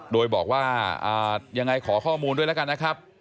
โดยบอกว่ายังไงขอข้อมูลด้วยแล้วกันนะครับ